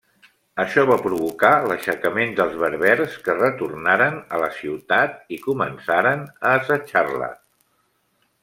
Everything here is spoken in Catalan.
Això va provocar l'aixecament dels berbers que retornaren a la ciutat i començaren a assetjar-la.